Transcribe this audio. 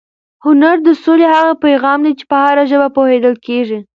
هنر د سولې هغه پیغام دی چې په هره ژبه پوهېدل کېږي.